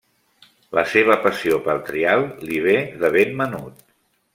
La seva passió pel trial li ve de ben menut.